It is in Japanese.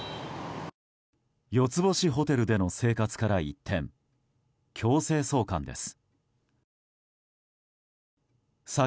四つ星ホテルでの生活から一転強制送還です。